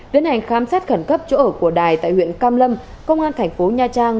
tiến hành khám xét khẩn cấp chỗ ở của đài tại huyện cam lâm công an thành phố nha trang